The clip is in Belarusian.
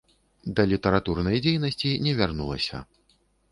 Да літаратурнай дзейнасці не вярнулася.